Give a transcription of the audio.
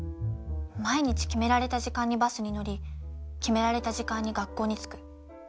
毎日決められた時間にバスに乗り決められた時間に学校に着く。